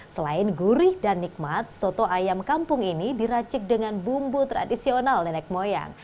selain gurih dan nikmat soto ayam kampung ini diracik dengan bumbu tradisional nenek moyang